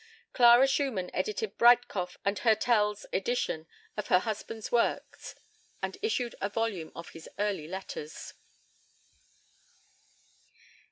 Clara Schumann edited Breitkopf and Härtel's edition of her husband's works, and issued a volume of his early letters.